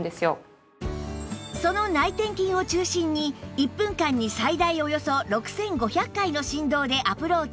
その内転筋を中心に１分間に最大およそ６５００回の振動でアプローチ